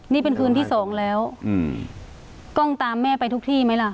นี่เป็นคืนที่สองแล้วอืมกล้องตามแม่ไปทุกที่ไหมล่ะ